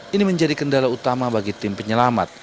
ini menjadi kendala utama bagi tim penyelamat